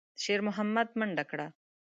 شېرمحمد منډه کړه.